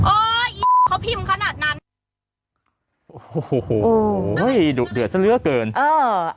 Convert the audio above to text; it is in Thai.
เอ้ยเขาพิมพ์ขนาดนั้นโอ้โหดุเดือดซะเหลือเกินเออ